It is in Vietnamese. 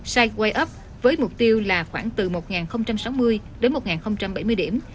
sideway up với mục tiêu là khoảng từ một sáu mươi đến một bảy mươi điểm